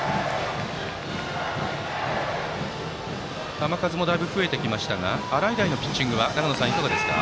球数もだいぶ増えてきましたが洗平のピッチングはいかがですか？